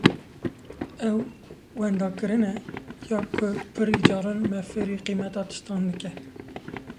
Ew, wendakirin e ya ku pirî caran me fêrî qîmetê tiştan dike.